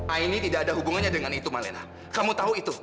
aini tidak ada hubungannya dengan itu malena kamu tahu itu